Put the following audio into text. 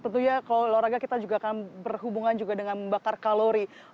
tentunya kalau olahraga kita juga akan berhubungan juga dengan membakar kalori